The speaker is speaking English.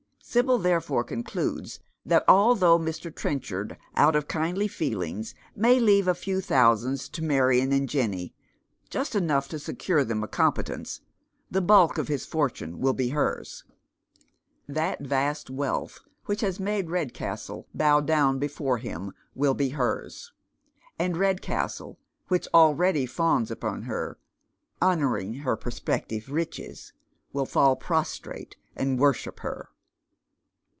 Sibyl therefore concludes tlaat — although Mr. Trenchard, out oi 108 Dead Men's Shoes. kindly feeling', may leave a few thousands to Marion and Jenny, just enouf^Ii to secure them a conipetenco — tlie bulk of his fortune will be hers. That vast wealth wliich has made Red castle bow down before him will be hers ; and Redcastle, which already fawns upon her — honouring her prospective riches — will fall prostrate and worship her.